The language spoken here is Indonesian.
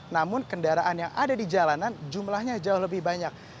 namun kendaraan yang ada di jalanan jumlahnya jauh lebih banyak